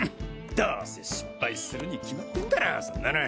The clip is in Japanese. どせ失敗するに決まってんだろそんなの。